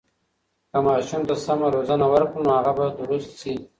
که ماشوم ته سمه روزنه ورکړو، نو هغه به درست شي.